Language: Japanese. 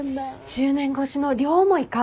１０年越しの両思いか！？